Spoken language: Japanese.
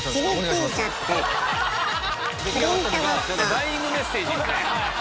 ダイイングメッセージみたい。